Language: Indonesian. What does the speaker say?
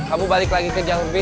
aku balik lagi ke jawa peace